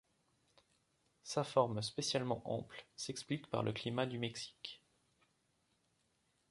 Sa forme spécialement ample s'explique par le climat du Mexique.